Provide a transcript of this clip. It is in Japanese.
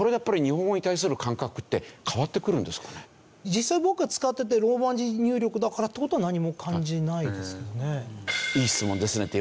実際僕が使っていてローマ字入力だからって事は何も感じないですけどね。